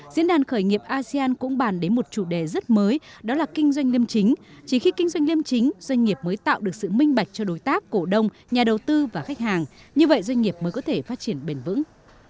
diễn đàn khởi nghiệp asean cũng bàn đến một chủ đề rất mới đó là kinh doanh liêm chính chỉ khi kinh doanh liêm chính doanh nghiệp mới tạo được sự minh bạch cho đối tác cổ đông nhà đầu tư và khách hàng như vậy doanh nghiệp mới có thể phát triển bền vững